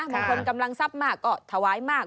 บางคนกำลังทรัพย์มากก็ถวายมาก